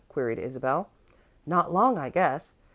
queried Isabel. "Not long, I guess.